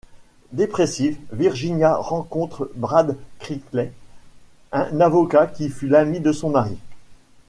Dépressive, Virginia rencontre Bradd Criley, un avocat qui fut l'ami de son mari.